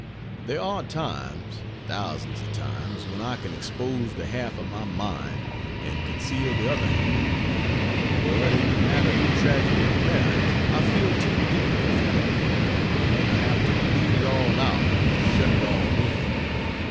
There are times thousands of times when I can expose the half of my mind, and conceal the other half, but in the matter of the tragedy of marriage I feel too deeply for that, and I have to bleed it all out or shut it all in.